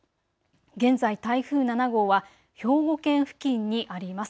現在、台風７号は兵庫県付近にあります。